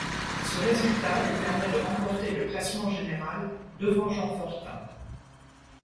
Ce résultat lui permet de remporter le classement général devant Jean Fortin.